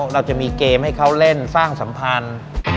เราจะมีเกมให้เขาเล่นสร้างสัมพันธ์